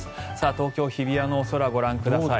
東京・日比谷の空ご覧ください。